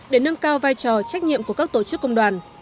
để nâng cao vai trò trách nhiệm của các tổ chức công đoàn